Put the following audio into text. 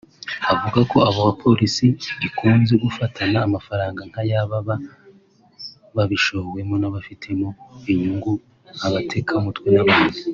Avuga ko abo Polisi ikunze gufatana amafaranga nk’aya baba babishowemo n’ababifitemo inyungu (abatekamutwe n’abandi)